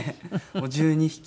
もう１２匹。